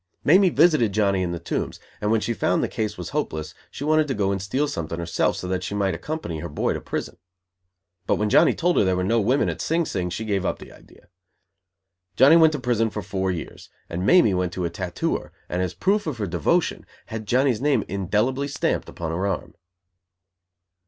Mamie visited Johnny in the Tombs, and when she found the case was hopeless she wanted to go and steal something herself so that she might accompany her boy to prison. But when Johnny told her there were no women at Sing Sing she gave up the idea. Johnny went to prison for four years, and Mamie went to a tattooer, and, as a proof of her devotion, had Johnny's name indelibly stamped upon her arm.